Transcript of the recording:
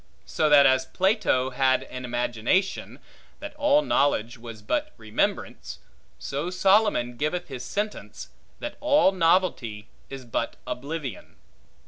So that as Plato had an imagination, That all knowledge was but remembrance; so Solomon giveth his sentence, That all novelty is but oblivion.